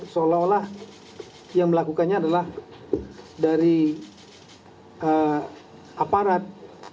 seolah olah yang melakukannya adalah dari aparat